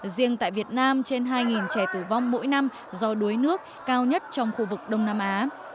riêng tại việt nam trên hai trẻ tử vong mỗi năm do đuối nước cao nhất trong khu vực đông nam á